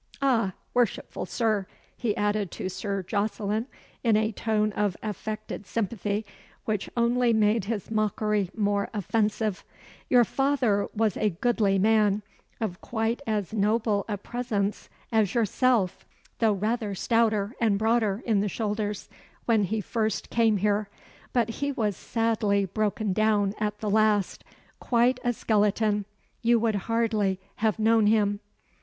Ah! worshipful Sir," he added to Sir Jocelyn, in a tone of affected sympathy which only made his mockery more offensive, "your father was a goodly man, of quite as noble a presence as yourself, though rather stouter and broader in the shoulders, when he first came here; but he was sadly broken down at the last quite a skeleton. You would hardly have known him."